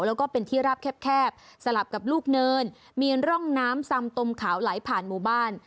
แล้วก็เป็นที่ราบแคบสลับกับลูกเนินมีร่องน้ำซำตมขาวไหลผ่านหมู่บ้าน